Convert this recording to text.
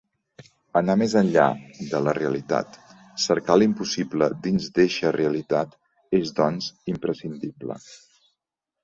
Anar més enllà de la realitat, cercar l'impossible dins d'eixa realitat és, doncs, imprescindible.